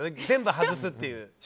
全部外すっていう。